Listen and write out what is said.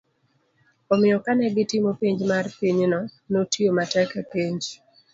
omiyo kane gitimo penj mar piny, notiyo matek e penj